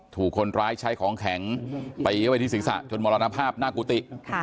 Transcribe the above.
ถูกคนร้ายใช้ของแข็งไปที่ศิษฐ์จนมรณภาพน่ากุฏิ